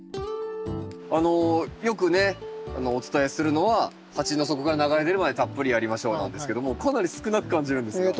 あのよくねお伝えするのは「鉢の底から流れ出るまでたっぷりやりましょう」なんですけどもかなり少なく感じるんですが。